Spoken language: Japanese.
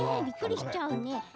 びっくりしちゃうね。